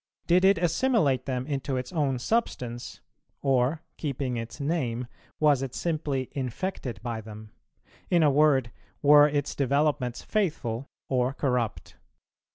Did it assimilate them into its own substance, or, keeping its name, was it simply infected by them? In a word, were its developments faithful or corrupt?